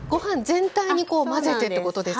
全体に混ぜてってことですか？